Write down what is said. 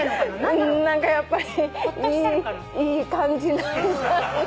何かやっぱりいい感じなんじゃ。